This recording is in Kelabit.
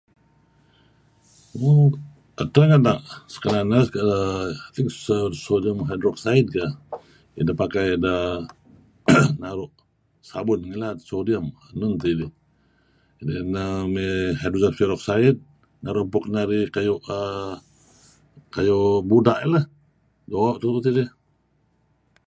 [su.....] [unintelligible] adtah[um] [aah]sodium hydrocide kah..nidah pakai dah naruh sabun ngilad , sodium nun tah idih, inah may [unintelligible] naruh apuk um narih apuk narih kayuh ...kayuh budah err lah. do tuuh tidih